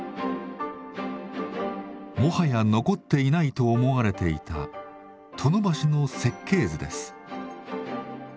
もはや残っていないと思われていた殿橋の設計図です。